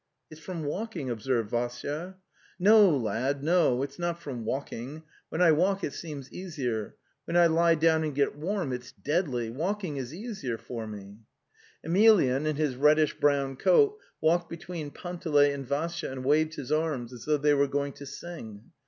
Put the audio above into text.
"It's from walking," observed Vassya. 'No, lad, no. It's not from walking. When [I The Steppe 223 i walk it seems easier; when I lie down and get warm, . it's deadly. Walking is easier for me." Emelyan, in his reddish brown coat, walked be tween Panteley and Vassya and waved his arms, as though they were going to sing.